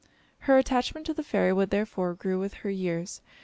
Her attachment to the fairy wood, therefore, grew with her years.